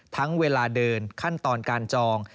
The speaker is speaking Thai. เวลาเดินขั้นตอนการจอง